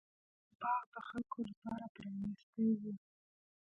هغه باغ د خلکو لپاره پرانیستی و.